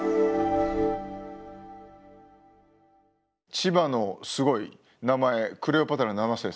千葉のすごい名前クレオパトラ７世さん。